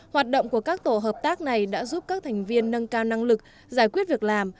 hoạt động của các tổ hợp tác này đã giúp các thành viên nâng cao năng lực giải quyết việc làm